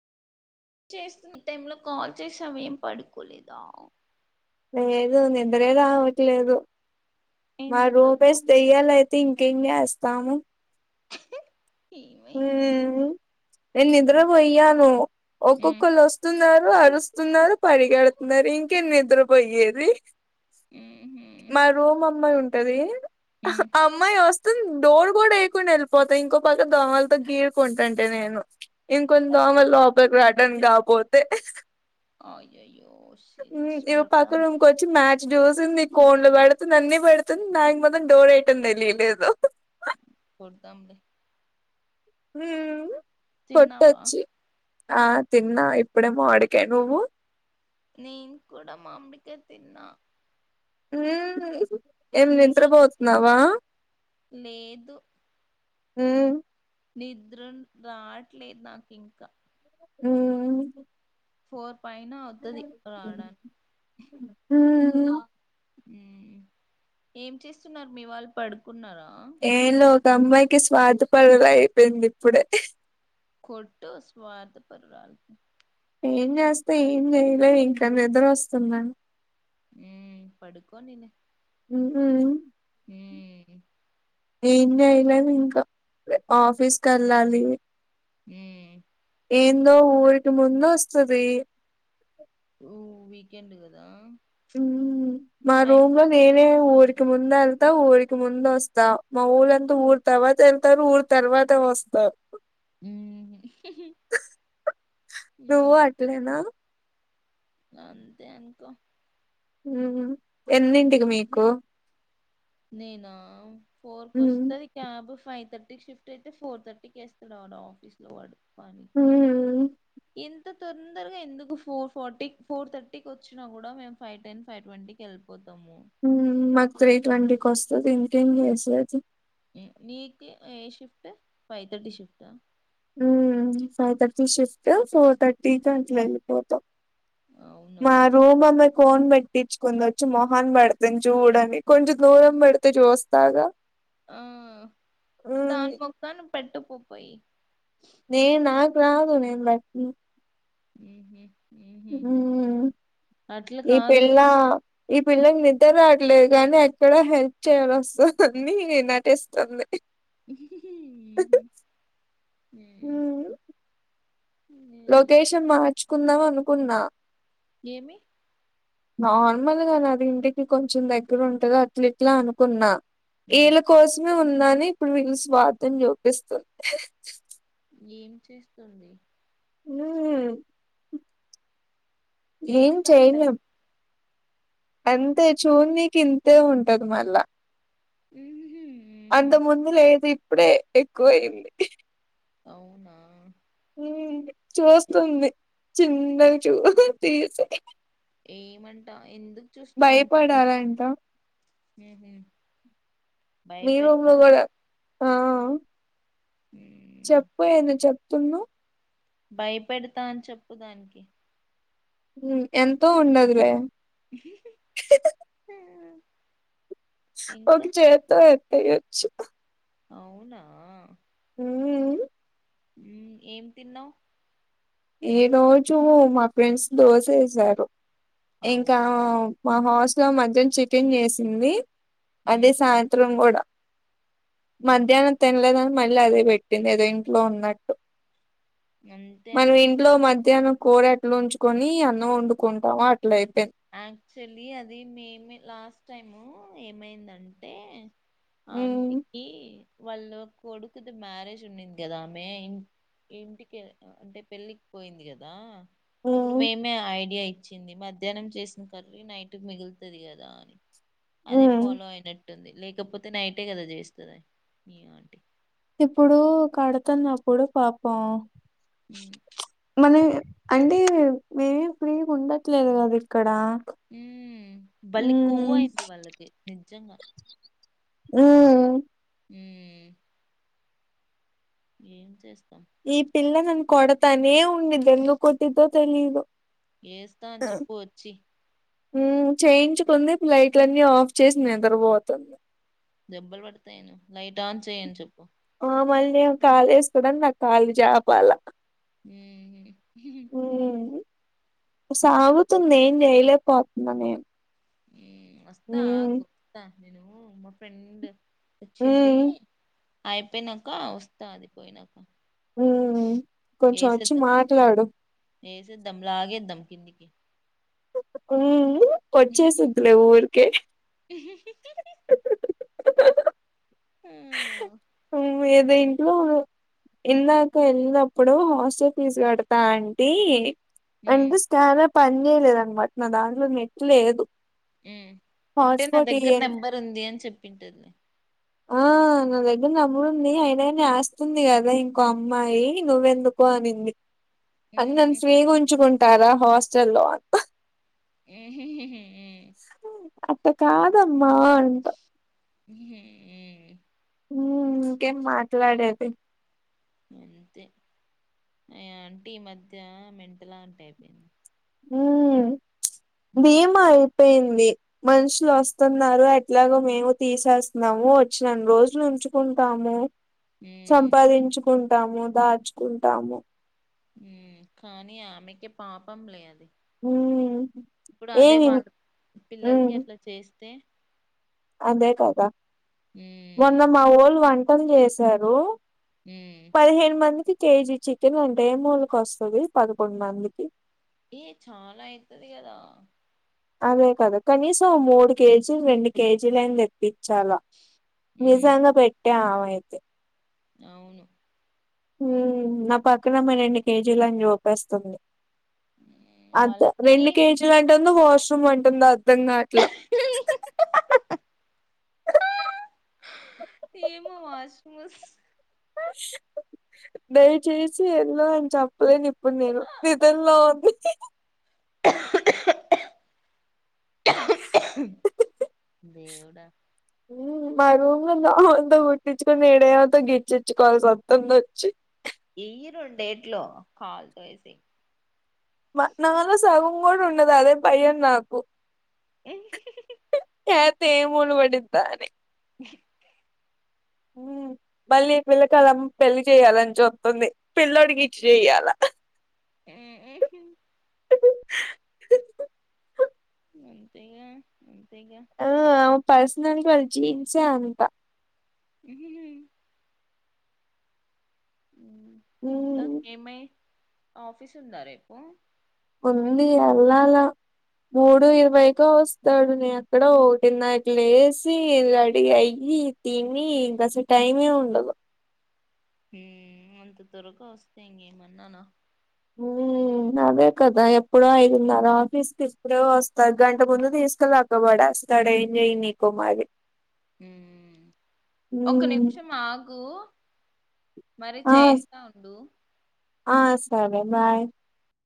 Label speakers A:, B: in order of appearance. A: చేస్తున్న టైంలో కాల్ చేసి సమ ఏం పడుకోలేదా
B: లేదు నిద్రే రావట్లేదు మా
A: ఎందుకు
B: రూమ్మేట్ దయ్యాలు ఇంకేం చేస్తాము
A: ఏమైంది
B: హమ్ నేను నిద్ర
A: మ్
B: పోయ్యాను ఒక్కొక్కళ్ళు వస్తున్నారు అరుస్తున్నారు పడిగెడుతున్నారు ఇంకే నిద్ర నిద్ర పోయ్యేది
A: మ్హు
B: మా రూమ్ అమ్మాయి ఉంటు టది
A: మ్
B: అమ్మాయి వస్ డోర్ కూడా ఎయికుని వెళ్ళిపోతా ఇంకో పక్క దోమలతో గీరుకుంటుంటే నేను ఇంక కొంచం ఆమె రాటన్ కాగ్ కొడితే
A: అయ్యోయ్యో
B: ఇవ పక్క
A: [unintelligible]
B: రూమ్ కి వచ్చి మ్యాచ్ చూసింది కోన్లు పెడుతుంది అన్ని పెడుతుంది నాకు మత్రం డోర్ వేయటం తెలియలేదు
A: కొడుదాంలే
B: మ్
A: తిన్నావా
B: కొట్టొచ్చు ఆ తిన్నా ఇప్పుడేమో మావిడికాయ నువ్వు
A: నేను కూడా మామిడికాయ తిన్నా
B: మ్ ఏమి
A: సేమ్
B: నిద్రపోతున్నావా
A: లేదు
B: మ్
A: నిద్ర రావట్లేదు నాకు ఇంకా
B: ఉ
A: ఫోర్ పైన అవుతుది రాడాన్
B: ఉ
A: మ్ ఏం చేస్తున్నారు మీ వాళ్ళు పడుకు ఉన్నారా
B: ఏంలే ఒక అమ్మాయికి స్వాద పడలా అయిపోయింది ఇప్పుడే
A: కొట్ట స్వార్ద పరూరల
B: ఏం చేస్తే ఏం చేయలేదు ఇంకా నిద్ర వస్తుంద
A: ఉ పడుకో నిన్న
B: ఉ
A: హ్మ్.
B: ఇన్న అయిలాంకా ఆఫీస్ క వెళ్ళాలి
A: మ్
B: ఏందో ఊరికి ముందు వస్తది
A: ఊ వీకెండ్ కదా
B: మ్ మా రూమ్ లో వేరే ఊరి కి ముందు వెళ్తా ఊరికి ముంద వస్తా మా ఊళ్ళంతా ఊరు తర్వాత వెళ్తారు ఊరు తర్వాత వస్తావ్
A: హ్మ్.
B: నువ్
A: హ్మ్.
B: అట్లే నా
A: అంతే ఇంకా
B: మ్ ఎన్నింటికి మీకు
A: నేనా ఫోర్ కు
B: మ్మ్
A: వస్తది క్యాబ్ ఫైవ్ తర్టీ టికీ షిఫ్ట్ అయితె ఫోర్ థర్టీ కి ఏస్తాడు వాడు ఆఫీస్ లొ వాడు పనికిమాలినొ ఇం
B: మ్మ్
A: ఇంత తొందరగా ఎందుకు ఫోర్ ఫార్టీ ఫోర్ థర్టీకి వచ్చినా కూడా మేము ఫైవ్ టెన్ ఫైవ్ ట్వంటీకి వెళ్ళిపోతాము
B: ఉం మాకు త్రీ ట్వంటీకి వస్తది ఇకేం చేసేది
A: హ్మ్. నీకు ఏ షిఫ్ట్ ఫైవ్ తర్టీ షిఫ్ట్ ఆ
B: ఉమ్ five thirty shift four thirty కి అట్ల వెళ్ళిపోతాం
A: అవునా!
B: మా రూమ్ అమ్మాయి కోన్ పెట్ పెట్టించుకుని వచ్చి మొహాన్ పెడతంది చూడమని కొంచెం దూరం పెడితే చూస్తాగా
A: ఆ
B: మ్మ్
A: దాని ముఖాన పెట్టు పో పోయి
B: నేను నాకు రాదు నేను పెట్టను
A: ఉహు
B: ఈ
A: కాదు.
B: పిల్లా ఈ పిల్లకు నిద్ర రాట్లేదు కాని ఎక్కడ హెల్ప్ చేయాల వస్తదొ అని నటిస్తోంది
A: హ్మ్
B: ఉమ్ లొకేషన్ మార్చుకుందాం అనుకున్న
A: ఏమి
B: నార్మల్గానె అది ఇంటికి కొంచెం దగ్గర ఉంటద అట్లిట్లా అనుకున్నా
A: ఉమ్.
B: వీళ్ళ కోసం ఉందని ఇప్పుడు వీళ్ళు స్వార్థం చూపిస్తుంది
A: ఏం చేస్తుంది
B: ఊ ఏం
A: ఎందుకంట
B: చెయలేం అంతే చూన్నీకి ఇంతే ఉంటది మళ్ళా
A: ఉహు
B: అప్పుడే ఎక్కువ అయింది
A: అవునా
B: ఉ చూస్తుంది చిన్నగ చూ తీసి
A: ఏమంట ఎందుకు చూస్తావ్ అని చెప్పు
B: భయపడాలంట
A: ఉహు
B: మీ రూమ్ లొ
A: భయపెడతా
B: కూడ ఆ
A: ఉ
B: చెప్పు ఏందో చెప్తున్నావ్
A: భయపెడతా అని చెప్పు దానికి
B: ఉ ఎంత ఉండదిలే
A: ఉమ్.
B: ఒక
A: ఇంకా
B: చేత్తో ఏయచ్చు
A: అవునా
B: మ్మ్
A: మ్మ్ ఏం తిన్నావ్
B: ఈ రోజు మా ఫ్రెండ్స్ దోసేసారు
A: అవు
B: ఇంకా మా హాస్ట్ లో మధ్యం చికెన్ చేసింది అదే
A: ఉమ్,
B: సాయంత్రం కూడా
A: ఉమ్,
B: మధ్యాహ్నం తినలేదా మళ్ళీ అదే పెట్టింది ఏదో ఇంట్లో ఉన్నట్టు
A: మ్మ్
B: మనం ఇంట్లో మధ్య హ్నం కూరట్లు ఉంచుకొని అన్నం వండుకుంటాం
A: ఆక్చళ్లి అది మేము మీర్ లాస్ట్ టైమ్ ఏమైందంటే
B: ఉమ్
A: ఆంటిక్కి వాళ్ళు కొడుకుది మ్యారేజ్ ఉన్నింది కదా ఆమె ఇ ఇంటికి అంటే పెళ్ళికి పోయింది కదా అప్పుడు
B: ఉమ్
A: మేమే ఐడియా ఇ చ్చింది మర్ ధ్యాహ్నం చేసిన కర్రీ నైట్ కి మిగులుతుంది కదా అని
B: ఉమ్
A: అదేపోల అ ఉంటుంది లేకపోతే నైటే కదా చేస్తది మీ ఆంటీ
B: ఇప్పుడు కడతన్న అప్పుడు పాపం
A: మ్మ్
B: మన అంటే మేమే ఫ్రీ ఉండట్లేదు కదా ఇక్కడ
A: మ్మ్ భల్లే కొవ్వు
B: ఉమ్
A: అయింది వాళ్ళకి నిజ్జంగా
B: ఏయ్
A: మ్మ్ ఏం చేస్తా
B: ఈ పిల్ల నన్ని కొడతనేే ఉ న్నిద్ది ఎందు కొట్టిద్దో తెలీదు
A: ఏస్తా అని చెప్పు వచ్చి
B: చేయించుకుంది ఇప్పుడు లైట్ల అన్నీ ఆఫ్ చేసి నిద్రపోతుంది
A: దెబ్బలు పడతాయను లైట్ ఆన్ చేయ్ అని చెప్పు
B: మమ్మల్ని కాల్ [unintelligible] నాకు కాల్ జాపాల
A: హ్మ్మ్ హు
B: సాగుతుంది ఏం చేయలేపోతున్న నేను
A: మ్మ్ వస్తా
B: ఉమ్
A: ఆకు వస్తా నేను మా ఫ్రెండ్ వచ్చిందీ
B: ఉమ్
A: అయిపోయినంక వస్తా అది పోయినాక
B: మ్మ్ కొంచెం వచ్చి మాట్లాడు
A: ఏసేదం లాగేదాం కిందికి
B: మ్మ్ కొచ్చేసిద్ధిలే ఊరికే
A: [unintelligible] మ్మ్
B: మీర్ దీంట్లో ఇందాక ఎళ్ళినప్పుడు హాస్టల్ ఫీజు కడతా అంటీ
A: మ్మ్
B: అనిపిస్తారప్ పని చేయలేదనమాట నా దాంట్లో నెట్టు లేదు
A: ఉ అంటే నా
B: హాట్స్పాట్
A: దగ్గర
B: ఇయ్యండి
A: నెంబర్ ఉంది అని చెప్ పింటద
B: ఆ నా దగ్గర నంబరు ఉంది అయినా గానీ ఆస్తుంది కదా ఇంకో అమ్మాయి నువ్వెందుకు అనింది అన్ని అని
A: మ్మ్
B: స్వీగా ఉంచుకుం తారా హస్టల్ లో
A: [unintelligible]
B: అట్ట కాదమ్ మా అంటా
A: మా్
B: హ్మ్మ్ ఇంకేం మాట్లాడేది
A: అంతే అ ఆంటీ ఈ మధ్య మెంటల్ ఆంటీ అయిపోయింది
B: మ్మ్
A: మ్మ్
B: బీఎమఐ పేయింది మనుషులు వస్తున్నారు ఎట్లాగొ మేము తీసేస్తున్నాము వచ్చినన్ని రోజులు ఉంచుకుంటాము
A: మ్మ్
B: సంపాదించుకుం ఉంటాము దాచుకుంటాము
A: మ్మ్ కానీ ఆమెకే పాపంలే అది
B: ఉమ్
A: ఇప్పుడు అదే
B: ఏమి
A: వాళ పిల్లలకి
B: ఉమ్
A: అట్లా చేస్తే
B: అదే కదా మొన్న
A: ఉమ్
B: మా వొళ్లు వన్ పని చేశారు
A: ఉమ్
B: పదిహేను మందికి కేజీ చికెన్ అంటే ములక వస్తది పదకొండు మందికి
A: ఈ చాలా అయితది కదా
B: అదే కదా కనీసం మూడు కేజీలు రెండు కేజీలు అయినా తే పిచ్చాలా
A: ఉమ్
B: నిజంగా పెట్ ఆమె అయితే
A: అవును
B: హు నా పక్కన అమ్మాయి రెండు కేజీలని చూపేస్తుంది
A: ఉమ్,
B: అంతే
A: మళ్ళీ
B: రెండు కేజీలు అంటే [unintelligible] వాష్రూమ్ అంటుంద అర్థం గావట్లే
A: ఏమో వాష్రూమ్ వస్
B: దయచేసి [unintelligible] అని చెప్పలేను ఇప్పుడు నేను నిధంలో ఉంది
A: దవు
B: మా రూమ్ లో [unintelligible] పట్టించుకొని [unintelligible] గిచిచ్చుకోవాలి సొంతంద వచ్చి
A: ఇయ్యారు డేట్లో [unintelligible]
B: నాలో సగం కూడా ఉండదు అదే భయం నాకు
A: [inaudible]
B: [unintelligible] ముళ్ళపడిద అని బల్లి పిల్ల కలం పెళ్లి చేయ్యాలని చెప్తుంది పిల్లోడికి ఇచ్చి చెయ్యాల
A: [inaudible] అంతేగా [unintelligible]
B: పర్సనల్గా వాళ్ళు జీన్సే అంత
A: [unintelligible] ఇకా
B: హ్మ్.
A: ఏమై ఆఫీస్ ఉందా రేపు
B: ఉంది అల్లలా మూడు ఇరవైకో వస్తాడు నేను అక్కడో ఒక్కటిన్నరకి లేసి రెడీ అయ్యి తిని ఇంకా అసలు టైమే ఉండదు
A: అంత త్వరగా వస్తాయి ఇంకా ఏమన్నానా
B: ఉ అదే కదా ఎప్పుడో ఐదున్నర ఆఫీస్కి ఇప్పుడే వస్తా గంట ముందు తీసుకెళ్ళక పడేస్తాడు ఏం చేయినికో మరి
A: ఒక
B: హ్మ్.
A: నిమిషం ఆగు మరి
B: ఆ
A: చేస్తా ఉండు
B: ఆ సరే బాయ్